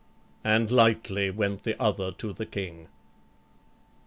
And lightly went the other to the King.